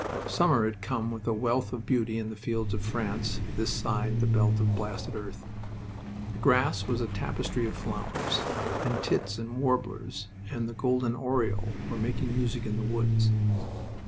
Summer had come with a wealth of beauty in the fields of France this side the belt of blasted earth. The grass was a tapestry of flowers, and tits and warblers and the golden oriole were making music in the woods.